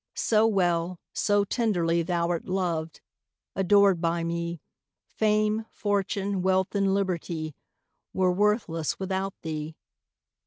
so well, so tenderly Thou'rt loved, adored by me, Fame, fortune, wealth, and liberty, Were worthless without thee.